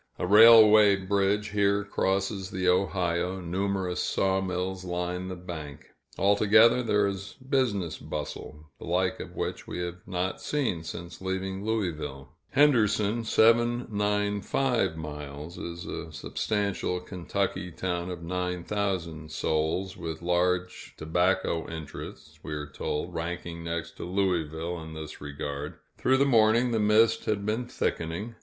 A railway bridge here crosses the Ohio, numerous sawmills line the bank; altogether, there is business bustle, the like of which we have not seen since leaving Louisville. Henderson (795 miles) is a substantial Kentucky town of nine thousand souls, with large tobacco interests, we are told, ranking next to Louisville in this regard. Through the morning, the mist had been thickening.